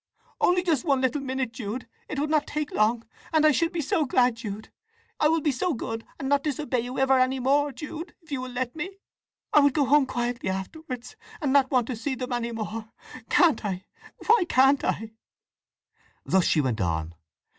Only just one little minute, Jude? It would not take long! And I should be so glad, Jude! I will be so good, and not disobey you ever any more, Jude, if you will let me? I would go home quietly afterwards, and not want to see them any more! Can't I? Why can't I?" Thus she went on.